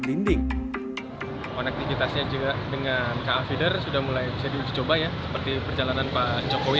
pending konektivitasnya juga dengan keafir sudah mulai jadi coba ya seperti perjalanan pak jokowi